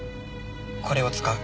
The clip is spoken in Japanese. これを使う。